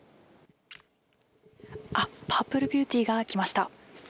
あっ、パープルビューティが来ました。